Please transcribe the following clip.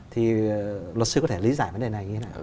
thì luật sư có thể lý giải vấn đề này như thế nào